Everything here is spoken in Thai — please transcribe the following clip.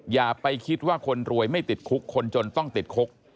อย่าไปคิดว่าคนรวยไม่ติดคุกคนจนต้องติดคุก